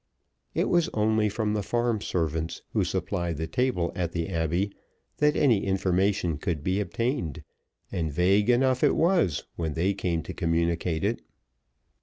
It was only from the farm servants who supplied the table at the Abbey that any information could be obtained, and vague enough it was when they came to communicate it.